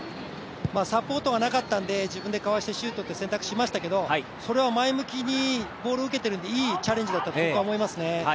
サポートがなかったんで、自分でかわしてシュートという選択をしましたけど、それを前向きにボールを受けているのでいいチャレンジだったと僕は思います。